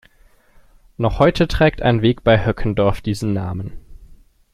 Noch heute trägt ein Weg bei Höckendorf diesen Namen.